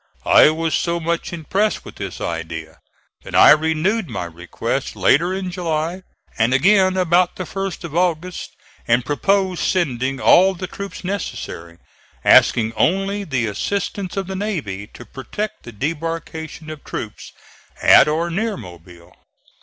I was so much impressed with this idea that I renewed my request later in July and again about the 1st of August, and proposed sending all the troops necessary, asking only the assistance of the navy to protect the debarkation of troops at or near Mobile.